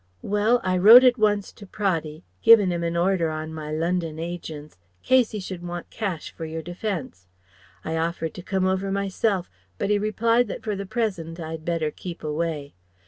"Well: I wrote at once to Praddy, givin' him an order on my London agents, 'case he should want cash for your defence. I offered to come over meself, but he replied that for the present I'd better keep away.